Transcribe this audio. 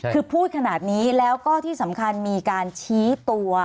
คือพูดขนาดนี้แล้วก็ที่สำคัญมีการชี้ตัว